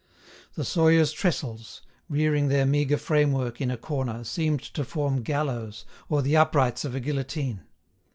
The sawyers' trestles, rearing their meagre framework in a corner, seemed to form gallows, or the uprights of a guillotine.